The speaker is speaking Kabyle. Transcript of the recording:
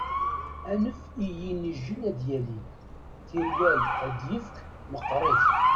Anef i yinijjel ad yali, tirwal ar ad yefk meqqeṛit.